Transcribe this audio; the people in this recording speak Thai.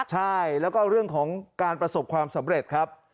ใช่แล้วก็เรื่องของการประสบความสำเร็จครับ